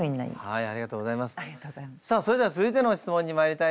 はい！